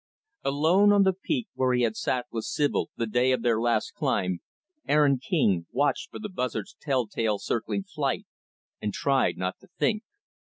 Alone on the peak where he had sat with Sibyl the day of their last climb, Aaron King watched for the buzzards' telltale, circling flight and tried not to think.